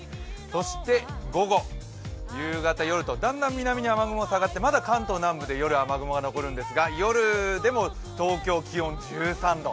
そして午後、夕方、夜と、だんだん南に雨雲が下がって、まだ関東南部で、夜、雨雲が残るんですが夜でも東京、気温、１３度。